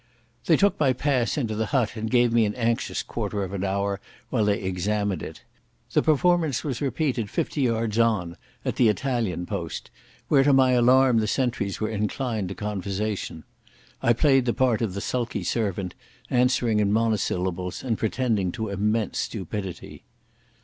They took my pass into the hut and gave me an anxious quarter of an hour while they examined it. The performance was repeated fifty yards on at the Italian post, where to my alarm the sentries were inclined to conversation. I played the part of the sulky servant, answering in monosyllables and pretending to immense stupidity.